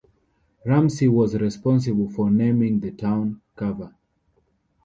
Ramsey was responsible for naming the town Carver.